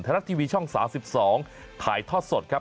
ไทยรัฐทีวีช่องศาสตร์๑๒ถ่ายทอดสดครับ